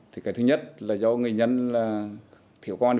thứ nhất là do nguyên nhân là thiểu con